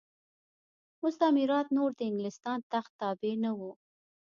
مستعمرات نور د انګلستان تخت تابع نه وو.